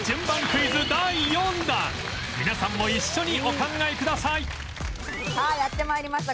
皆さんも一緒にお考えくださいさあやって参りました。